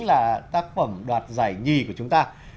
là tác phẩm đoạt giải nhì của chúng ta